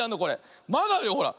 まだあるよほら。